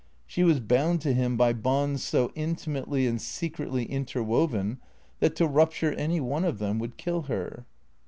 She was bound to him by bonds so intimately and secretly interwoven that to rupture any one of them would kill her.